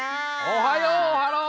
おはよう。